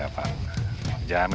dua puluh empat pak jamin